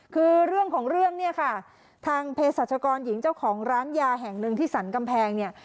คือเรื่องของเรื่องเนี่ยค่ะทางเพศรัชกรหญิงเจ้าของร้านยาแห่งหนึ่งที่สรรกำแพงเนี่ย